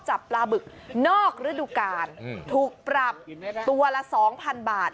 จับปลาบึกนอกฤดูกาลถูกปรับตัวละสองพันบาท